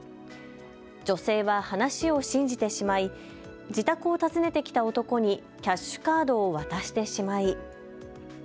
女性は話を信じてしまい自宅を訪ねてきた男にキャッシュカードを渡してしまい。